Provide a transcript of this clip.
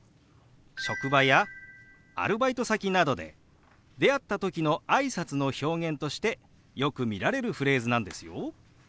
職場やアルバイト先などで出会った時のあいさつの表現としてよく見られるフレーズなんですよ。